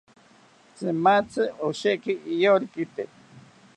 Tzimatzi osheki iyorikite